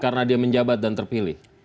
karena dia menjabat dan terpilih